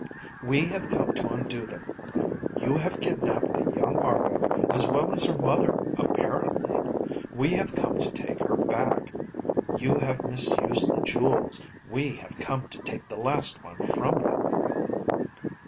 "We have come to undo them. You have kidnaped the young Argo, as well as her mother apparently. We have come to take her back. You have misused the jewels. We have come to take the last one from you."